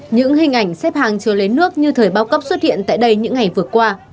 những hình ảnh xếp hàng chưa lấy nước như thời bao cấp xuất hiện tại đây những ngày vừa qua